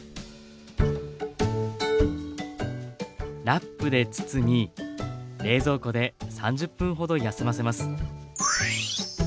ラップで包み冷蔵庫で３０分ほど休ませます。